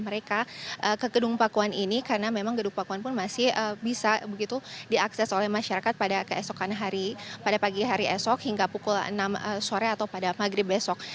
mereka ke gedung pakuan ini karena memang gedung pakuan pun masih bisa begitu diakses oleh masyarakat pada keesokan hari pada pagi hari esok hingga pukul enam sore atau pada maghrib besok